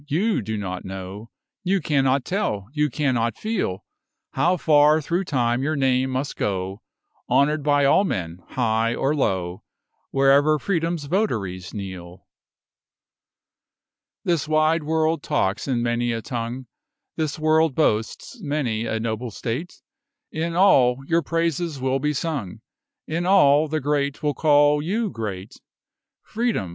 you do not know You cannot tell you cannot feel How far through time your name must go, Honoured by all men, high or low, Wherever Freedom's votaries kneel. This wide world talks in many a tongue This world boasts many a noble state; In all your praises will be sung In all the great will call you great. Freedom!